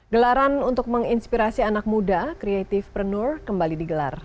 gelaran untuk menginspirasi anak muda kreatif pernur kembali digelar